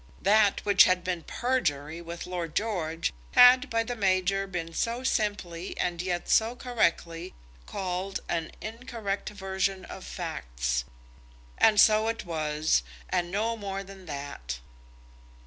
That which had been perjury with Lord George, had by the major been so simply, and yet so correctly, called an incorrect version of facts! And so it was, and no more than that.